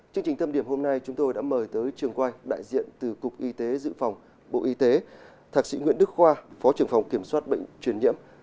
chương trình tâm điểm hôm nay chúng tôi đã mời tới trường quay đại diện từ cục y tế dự phòng bộ y tế thạc sĩ nguyễn đức khoa phó trưởng phòng kiểm soát bệnh truyền nhiễm